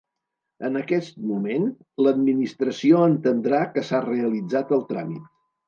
En aquest moment l'Administració entendrà que s'ha realitzat el tràmit.